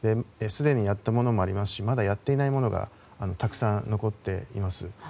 すでにやったものもありますしまだやっていないものもたくさん残っています。